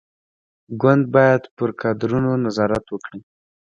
ګوند باید پر کادرونو نظارت وکړي.